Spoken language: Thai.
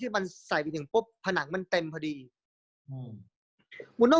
ที่มันใส่ไปถึงปุ๊บผนังมันเต็มพอดีอืม